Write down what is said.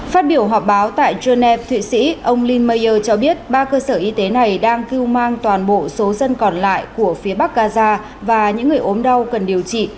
phát biểu họp báo tại geneva thụy sĩ ông lindmayer cho biết ba cơ sở y tế này đang cưu mang toàn bộ số dân còn lại của phía bắc gaza và những người ốm đau cần điều trị